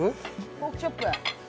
ポークチョップ。